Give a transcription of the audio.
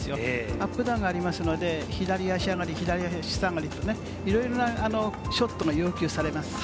アップダウンがありますので、左足上がり、左足下がりと、いろいろなショットが要求されます。